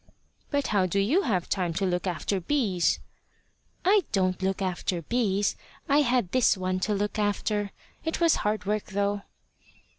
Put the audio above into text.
"But how do you have time to look after bees?" "I don't look after bees. I had this one to look after. It was hard work, though."